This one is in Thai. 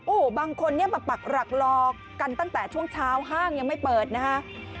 โอ้โหบางคนเนี่ยมาปักหลักรอกันตั้งแต่ช่วงเช้าห้างยังไม่เปิดนะฮะ